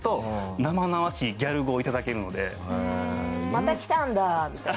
「また来たんだ」みたいな？